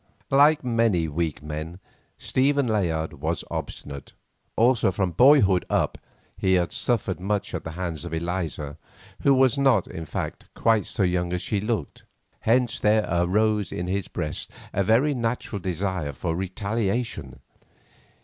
Like many weak men, Stephen Layard was obstinate, also from boyhood up he had suffered much at the hands of Eliza, who was not, in fact, quite so young as she looked. Hence there arose in his breast a very natural desire for retaliation.